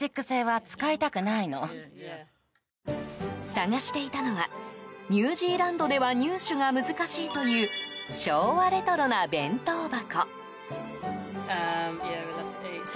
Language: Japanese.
探していたのはニュージーランドでは入手が難しいという昭和レトロな弁当箱。